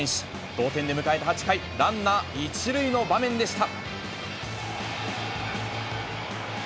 同点で迎えた８回、ランナー１塁の場面でした。